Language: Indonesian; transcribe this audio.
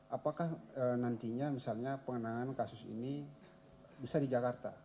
apakah nantinya misalnya pengenangan kasus ini bisa di jakarta